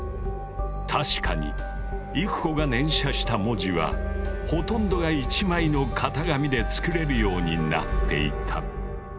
確かに郁子が念写した文字はほとんどが１枚の型紙で作れるようになっていた。